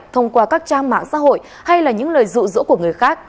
thông qua các trang mạng xã hội hay là những lời dụ dỗ của người khác